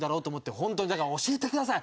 本当に教えてください！